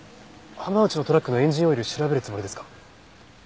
浜内のトラックのエンジンオイル調べるつもりですか？